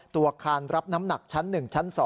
อาคารรับน้ำหนักชั้น๑ชั้น๒